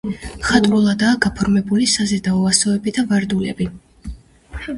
მხატვრულადაა გაფორმებული საზედაო ასოები და ვარდულები.